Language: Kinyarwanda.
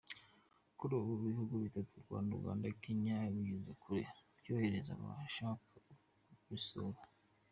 Kuri ubu, ibihugu bitatu u Rwanda, Uganda na Kenya bigeze kure byorohereza abashaka kubisura.